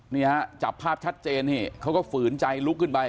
นี่ฮะจับภาพชัดเจนนี่เขาก็ฝืนใจลุกขึ้นไป